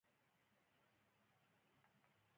سویلي کوریا د نړۍ د شتمنو هېوادونو په ډله کې راځي.